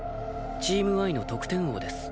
チームＹの得点王です。